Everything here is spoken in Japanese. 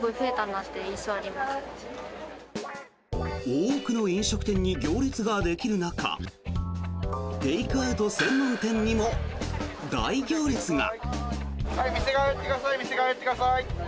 多くの飲食店に行列ができる中テイクアウト専門店にも大行列が。